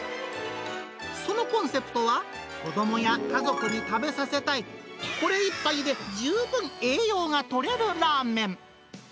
そのコンセプトは、子どもや家族に食べさせたい、これ一杯で十分栄養がとれるラーメン。